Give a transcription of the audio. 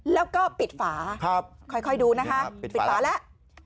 แล้วก็ปิดฝาค่อยดูนะคะปิดฝาแล้ว